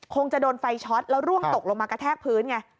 คงจะโดนไฟช็อตแล้วร่วงตกลงมากระแทกพื้นไง